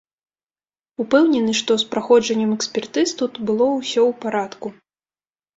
Упэўнены, што з праходжаннем экспертыз тут было ўсё ў парадку.